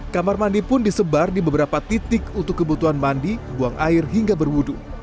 kamar mandi pun disebar di beberapa titik untuk kebutuhan mandi buang air hingga berwudu